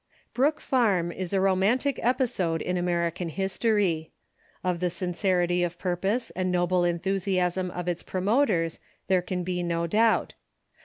Brook Farm is a romantic episode in American history. Of the sincerity of purpose and noble enthusiasm of its promoters there can be no doubt.